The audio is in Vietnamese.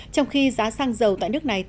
trong khi giá sang dầu tại nước này